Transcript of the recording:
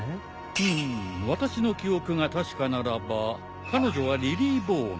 うむ私の記憶が確かならば彼女はリリィボーン。